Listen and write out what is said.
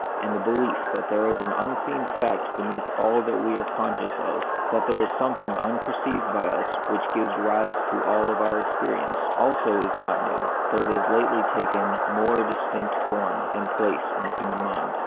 And the belief that there is an unseen fact beneath all that we are conscious of — that there is something unperceived by us which gives rise to all our experience — also is not new ; though it has lately taken a more dis tinct form and place in the human mind.